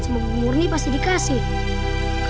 aku enggan ngerti nada kedalam hati